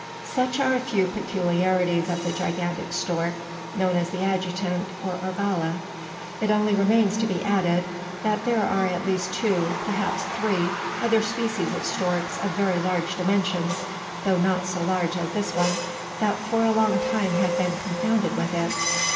Such are a few peculiarities of the gigantic stork, known as the adjutant or argala. It only remains to be added, that there are at least two, perhaps three, other species of storks of very large dimensions though not so large as this one that for a long time have been confounded with it.